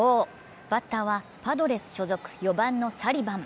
バッターはパドレス所属４番のサリバン。